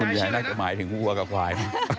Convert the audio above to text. คุณยายน่าจะหมายถึงหัวกับขวาย